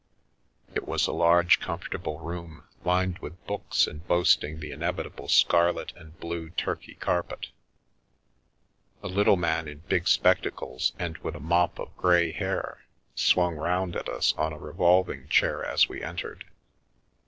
It was a large, comfortable room, lined with books and boasting the inevitable scarlet and blue Turkey carpet; a little man in big spectacles and with a mop of grey hair, swung round at us on a revolving chair as we entered.